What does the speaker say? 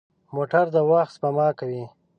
موټر د وخت سپما کوي.